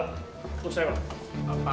tunggu saya pak